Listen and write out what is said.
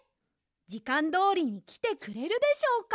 じかんどおりにきてくれるでしょうか。